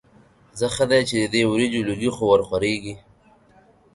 ځه ښه دی چې د دې وریجو لوګي خو ورخوريږي.